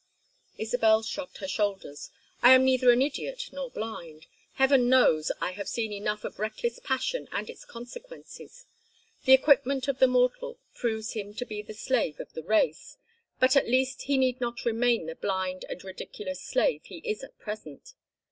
Isabel shrugged her shoulders. "I am neither an idiot nor blind. Heaven knows I have seen enough of reckless passion and its consequences. The equipment of the mortal proves him to be the slave of the race, but at least he need not remain the blind and ridiculous slave he is at present.